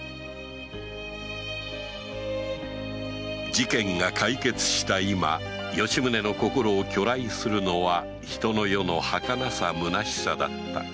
事件が解決した今吉宗の心を去来するのは人の世の儚さ虚しさだった